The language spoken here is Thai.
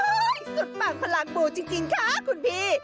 สุดปากพลังบูจริงค่ะคุณพี่